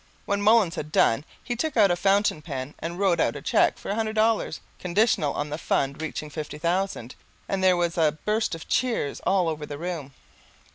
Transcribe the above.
When Mullins had done he took out a fountain pen and wrote out a cheque for a hundred dollars, conditional on the fund reaching fifty thousand. And there was a burst of cheers all over the room.